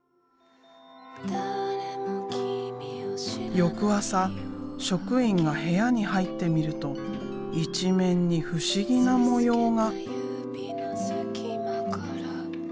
翌朝職員が部屋に入ってみると一面に不思議な模様が。